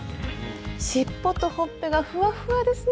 尻尾とほっぺがフワフワですね！